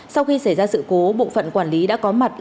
sau khi xảy ra sự cố bộ phận quản lý đã có mặt làm phóng xe